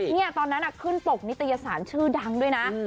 นี่ตอนนั้นขึ้นปกนิตยสารชื่อดังด้วยนะ